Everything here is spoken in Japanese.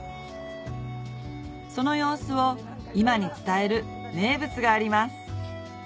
その様子を今に伝える名物があります